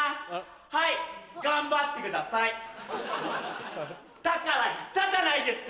「ハイ！頑張ってください」だから言ったじゃないですか